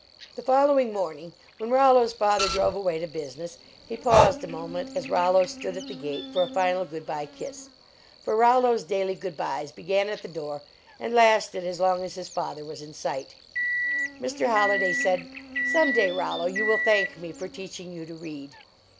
The following morning, when Rollo s father drove away to business, he paused a moment as Rollo stood at the gate for a final good bye kiss for Rollo s daily good byes began 40 LEARNING TO READ at the door and lasted as long as his father was in sight Mr. Holliday said : "Some day, Rollo, you will thank me for teaching you to read."